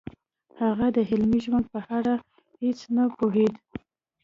هغه د عملي ژوند په اړه هیڅ نه پوهېده